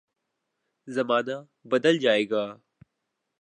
زمانہ بدل جائے گا۔